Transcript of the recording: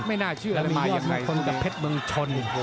และมียอดมีคนกับเพชรเมืองชน